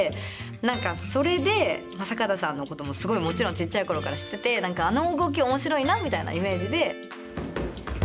何かそれで坂田さんのこともすごいもちろんちっちゃい頃から知ってて何かあの動き面白いなみたいなイメージで。